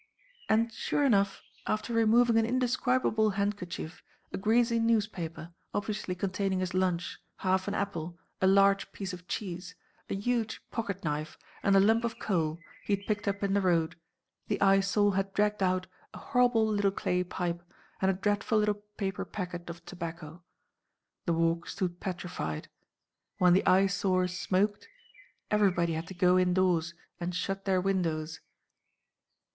And, sure enough, after removing an indescribable handkerchief, a greasy newspaper, obviously containing his lunch, half an apple, a large piece of cheese, a huge pocket knife, and a lump of coal he had picked up in the road, the Eyesore had dragged out a horrible little clay pipe and a dreadful little paper packet of tobacco. The Walk stood petrified. When the Eyesore smoked, everybody had to go indoors and shut their windows.